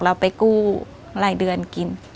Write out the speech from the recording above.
เราไปกู้รายเดือนกิน